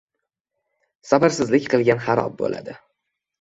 Sabrsizlik qilgan xarob bo‘ladi